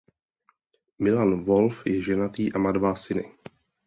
Milan Volf je ženatý a má dva syny.